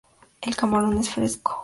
El camarón es fresco.